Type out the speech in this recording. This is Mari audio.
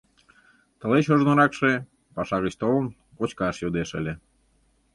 Тылеч ожныракше, паша гыч толын, кочкаш йодеш ыле.